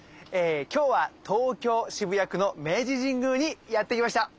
今日は東京・渋谷区の明治神宮にやって来ました。